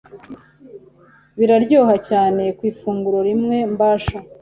biraryoha cyane Ku ifunguro rimwe mbasha